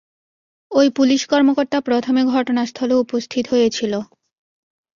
ওই পুলিশ কর্মকর্তা প্রথমে ঘটনাস্থলে উপস্থিত হয়েছিল।